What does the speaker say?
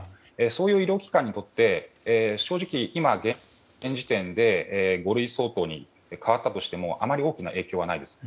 そういう医療機関にとって、正直今現時点で五類相当に変わったとしてもあまり大きな影響はないです。